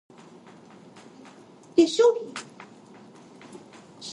The two-lane route continues through rural portions of the state.